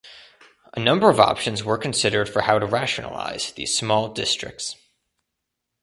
A number of options were considered for how to rationalise these small districts.